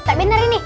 tak bener ini